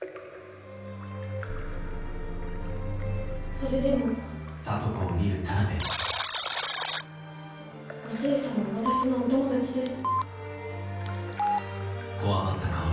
それでもお寿恵さんは私のお友達です。